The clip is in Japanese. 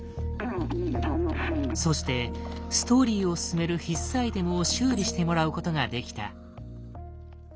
そしてストーリーを進める必須アイテムを修理してもらうことができた。